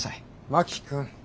真木君。